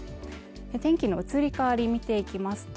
天気の移り変わり見ていきますと